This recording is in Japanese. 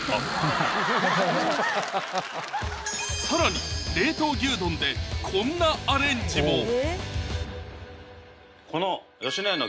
更に冷凍牛丼でこんなアレンジも！